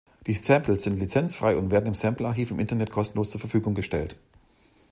Die Samples sind lizenzfrei und werden im Sample-Archiv im Internet kostenlos zur Verfügung gestellt.